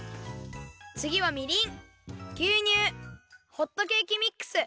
つぎはみりんぎゅうにゅうホットケーキミックス。